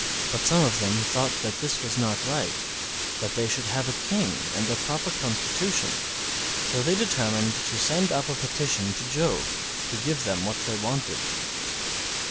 But some of them thought that this was not right, that they should have a King and a proper constitution, so they determined to send up a petition to Jove to give them what they wanted.